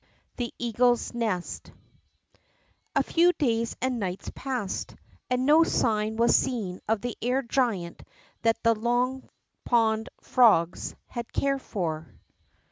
THE eaglet's nest A FEW days and nights passed, and no sign was seen of the air giant that the Long Pong frogs had cared for.